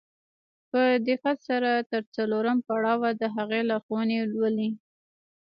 په دقت سره تر څلورم پړاوه د هغې لارښوونې ولولئ.